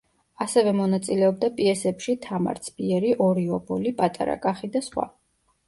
ასევე მონაწილეობდა პიესებში „თამარ ცბიერი“, „ორი ობოლი“, „პატარა კახი“ და სხვა.